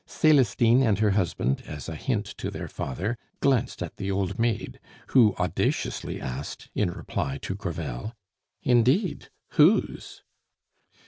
Celestine and her husband, as a hint to their father, glanced at the old maid, who audaciously asked, in reply to Crevel: "Indeed whose?"